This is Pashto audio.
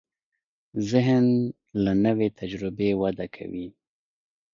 ذهن له نوې تجربې وده کوي.